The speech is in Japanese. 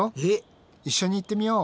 一緒に行ってみよう！